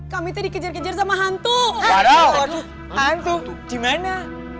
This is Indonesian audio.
kami tadi kejar kejar sama hantu hantu gimana